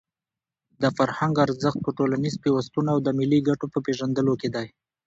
د فرهنګ ارزښت په ټولنیز پیوستون او د ملي ګټو په پېژندلو کې دی.